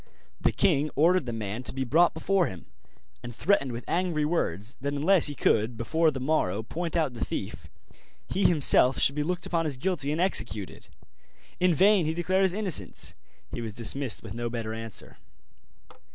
The king ordered the man to be brought before him, and threatened with angry words that unless he could before the morrow point out the thief, he himself should be looked upon as guilty and executed. In vain he declared his innocence; he was dismissed with no better answer.